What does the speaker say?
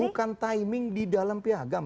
bukan timing di dalam piagam